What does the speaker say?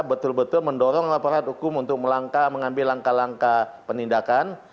betul betul mendorong laporan hukum untuk mengambil langkah langkah penindakan